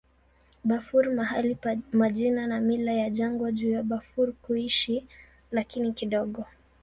Bafur mahali pa majina na mila ya jangwa juu ya Bafur kuishi, lakini kidogo.